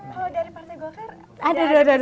kalau dari partai go fair